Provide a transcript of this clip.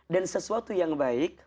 dan sesuatu yang baik